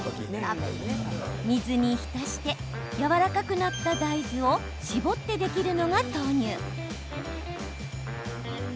水に浸してやわらかくなった大豆を搾ってできるのが豆乳。